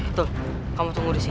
itu kamu tunggu di sini